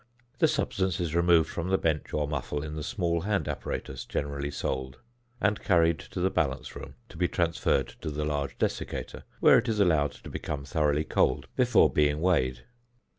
The substance is removed from the bench or muffle in the small hand apparatus generally sold, and carried to the balance room to be transferred to the large desiccator, where it is allowed to become thoroughly cold before being weighed.